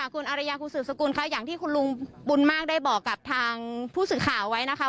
คุณอารยาคุณสืบสกุลค่ะอย่างที่คุณลุงบุญมากได้บอกกับทางผู้สื่อข่าวไว้นะคะ